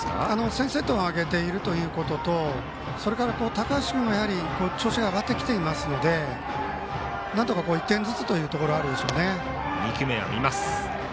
先制点を挙げているということとそれから高橋君の調子が上がってきていますのでなんとか１点ずつというところあるでしょうね。